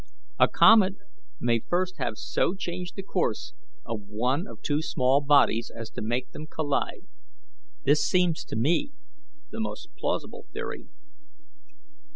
A comet may first have so changed the course of one of two small bodies as to make them collide. This seems to me the most plausible theory.